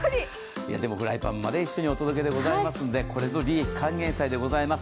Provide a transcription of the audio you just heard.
フライパンも一緒にお届けでございますのでこれぞ利益還元祭でございます。